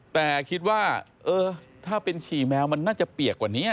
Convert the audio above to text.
แต่คิดว่าเออถ้าเป็นฉี่แมวมันน่าจะเปียกกว่านี้